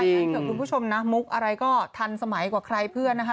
ถ้าเกิดคุณผู้ชมนะมุกอะไรก็ทันสมัยกว่าใครเพื่อนนะคะ